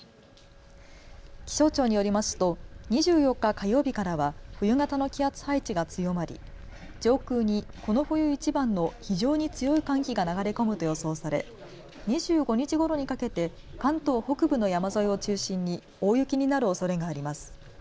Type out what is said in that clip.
気象庁によりますと２４日火曜日からは冬型の気圧配置が強まり上空にこの冬いちばんの非常に強い寒気が流れ込むと予想され２５日ごろにかけて関東北部の山沿いを中心に大雪になるおそれがあります。